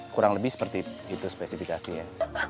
kurang lebih seperti itu spesifikasinya